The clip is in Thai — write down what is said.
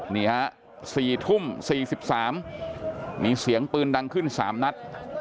นี่ฮะ๔ทุ่ม๔๓มีเสียงปืนดังขึ้น๓นัด